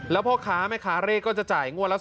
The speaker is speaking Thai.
แล้วพ่อค้าแม่ค้าเลขก็จะจ่ายงวดละ๓๐